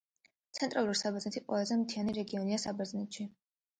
ცენტრალური საბერძნეთი ყველაზე მთიანი რეგიონია საბერძნეთში.